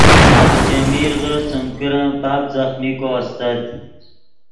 ژے میرغے سیم کرن پاپ ځخمیکو استت